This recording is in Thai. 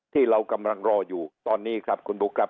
ที่เรากำลังรออยู่ตอนนี้ครับคุณบุ๊คครับ